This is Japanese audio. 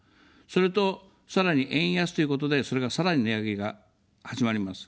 それと、さらに円安ということで、それがさらに値上げが始まります。